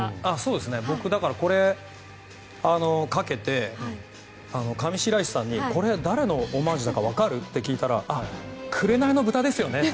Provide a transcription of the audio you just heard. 僕、これをかけて上白石さんにこれ、誰のオマージュかわかる？って聞いたら「紅の豚」と。